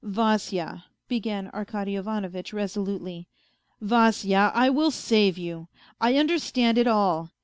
" Vasya," began Arkady Ivanovitch resolutely, " Vasya, I will save you. I understand it all.